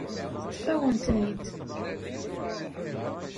Teṭṭef-awen-ten-id.